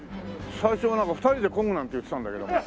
最初はなんか２人でこぐなんて言ってたんだけど。